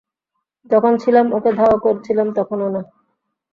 যখন ছিলাম, ওকে ধাওয়া করছিলাম তখনও না।